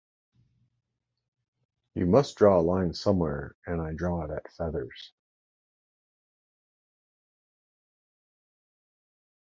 You must draw a line somewhere, and I draw it at feathers.